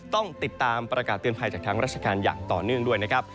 ต้องติดตามประกาศเตือนภัยจากทางราชการอย่างต่อเนื่องด้วยนะครับ